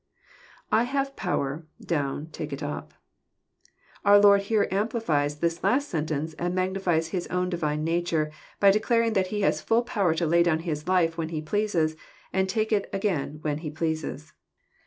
[/ Tiave p<mer..,doum„.tahe it up.] Our Lord here smplifiea His last statement, and magnifies His own Divine nature, by declaring that He has fhll power to lay down His life when He pleases, and take it again when He pleases.